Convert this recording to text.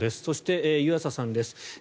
そして、湯浅さんです。